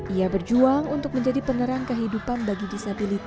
ia berjuang untuk menjadi penerang kehidupan bagi disabilitas